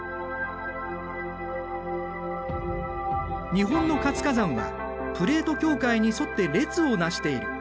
日本の活火山はプレート境界に沿って列をなしている。